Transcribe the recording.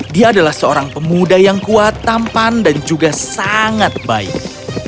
dia adalah seorang pemuda yang kuat tampan dan juga sangat baik